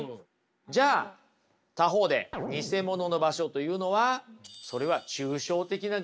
じゃあ他方でニセモノの場所というのはそれは抽象的な概念にすぎないんだと。